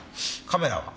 カメラは？